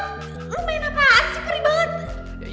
lo main apaan sih perih banget